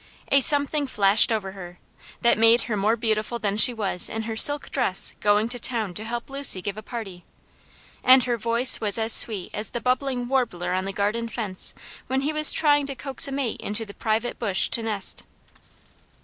A something flashed over her, that made her more beautiful than she was in her silk dress going to town to help Lucy give a party, and her voice was sweet as the bubbling warbler on the garden fence when he was trying to coax a mate into the privet bush to nest.